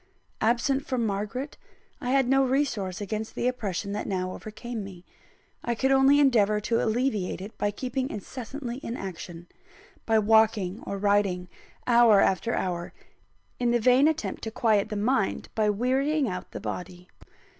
Absent from Margaret, I had no resource against the oppression that now overcame me. I could only endeavour to alleviate it by keeping incessantly in action; by walking or riding, hour after hour, in the vain attempt to quiet the mind by wearying out the body.